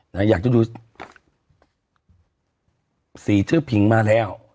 อยากจะดูสีชื่อผิงมาแล้ว